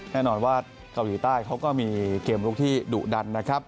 แน่นอนว่าเกาหลีใต้เขาก็มีเกมลุกที่ดุดันนะครับ